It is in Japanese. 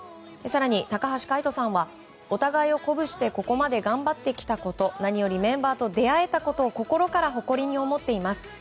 高橋海人さんはお互いを鼓舞してここまで頑張ってきたこと何よりメンバーと出会えたことを心から誇りに思っています。